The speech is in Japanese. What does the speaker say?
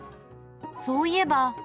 そういえば。